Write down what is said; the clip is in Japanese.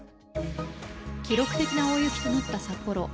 記録的な大雪となった札幌。